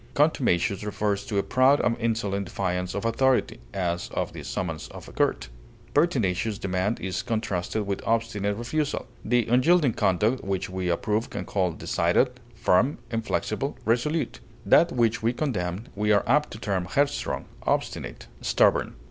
Contumacious refers to a proud and insolent defiance of authority, as of the summons of a court. Pertinacious demand is contrasted with obstinate refusal. The unyielding conduct which we approve we call decided, firm, inflexible, resolute; that which we condemn we are apt to term headstrong, obstinate, stubborn.